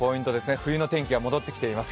冬の天気が戻ってきています。